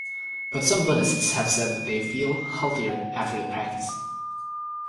But some buddhists have said that they feel healthier after the practice.